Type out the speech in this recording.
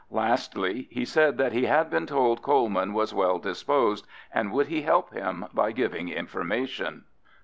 Lastly, he said that he had been told Coleman was well disposed, and would he help him by giving information?